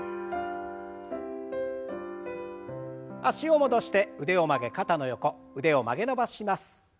脚を戻して腕を曲げ肩の横腕を曲げ伸ばしします。